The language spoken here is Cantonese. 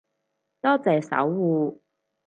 多謝守護